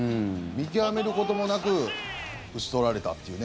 見極めることもなく打ち取られたっていうね。